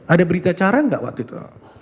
ada berita acara gak waktu itu